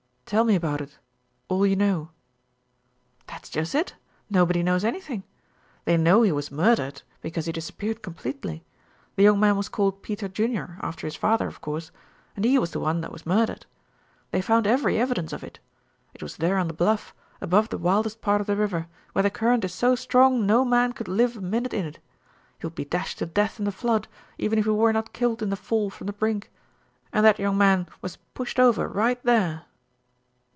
"Tell me about it. All you know." "That's just it nobody knows anything. They know he was murdered, because he disappeared completely. The young man was called Peter Junior, after his father, of course and he was the one that was murdered. They found every evidence of it. It was there on the bluff, above the wildest part of the river, where the current is so strong no man could live a minute in it. He would be dashed to death in the flood, even if he were not killed in the fall from the brink, and that young man was pushed over right there."